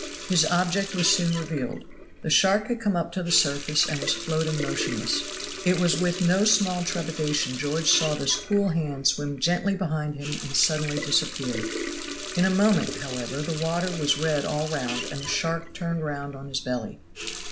His object was soon revealed; the shark had come up to the surface and was floating motionless. It was with no small trepidation George saw this cool hand swim gently behind him and suddenly disappear; in a moment, however, the water was red all round, and the shark turned round on his belly.